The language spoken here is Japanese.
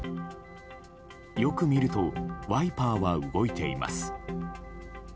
よく見るとワイパーは動いています。